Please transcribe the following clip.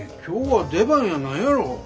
今日は出番やないやろ。